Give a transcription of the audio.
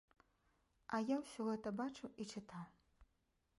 А я ўсё гэта бачыў і чытаў.